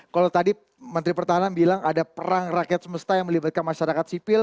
kalau tadi menteri pertahanan bilang ada perang rakyat semesta yang melibatkan masyarakat sipil